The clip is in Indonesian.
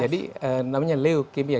jadi namanya leukemia